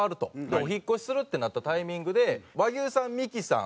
お引っ越しするってなったタイミングで和牛さんミキさん